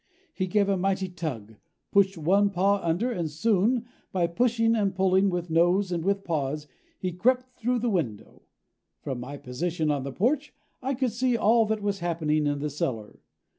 He gave a mighty tug, pushed one paw under, and soon, by pushing and pulling with nose and with paws, he crept through the window. From my position on the porch I could see all that was happening in the cellar.